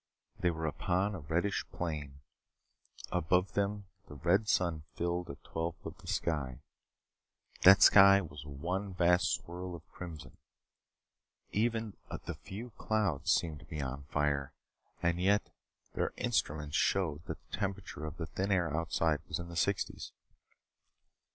They were upon a reddish plain. Above them, the red sun filled a twelfth of the sky. That sky was one vast swirl of crimson. Even the few clouds seemed to be on fire. And yet their instruments showed that the temperature of the thin air outside was in the sixties.